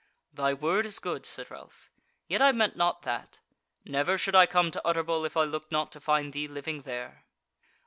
"Thy word is good," said Ralph, "yet I meant not that; never should I come to Utterbol if I looked not to find thee living there."